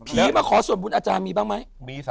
มาขอส่วนบุญอาจารย์มีบ้างไหม